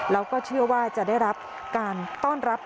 แล้วก็เชื่อว่าจะได้รับการต้อนรับ